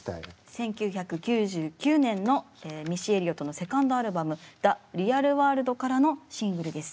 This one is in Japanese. １９９９年のミッシー・エリオットのセカンドアルバム「ＤａＲｅａｌＷｏｒｌｄ」からのシングルです。